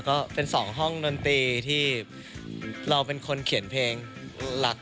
ก็เป็น๒ห้องดนตรีที่เราเป็นคนเขียนเพลงหลัก